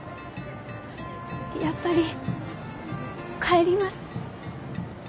やっぱり帰ります。